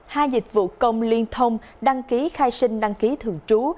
hai dịch vụ công liên thông đăng ký khai sinh đăng ký thường trú